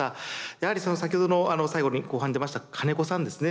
やはりその先ほどの後半に出ました金子さんですね